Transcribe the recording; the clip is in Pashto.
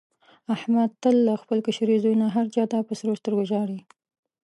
احمد تل له خپل کشري زوی نه هر چا ته په سرو سترګو ژاړي.